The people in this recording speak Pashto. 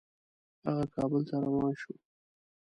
هغه کابل ته روان شو.